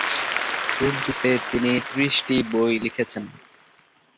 উর্দুতে তিনি ত্রিশটি বই লিখেছেন।